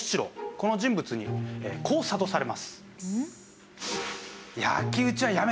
この人物にこう諭されます。